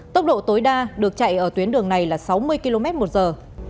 tốc độ tối đa được chạy ở tuyến đường này là sáu mươi km một giờ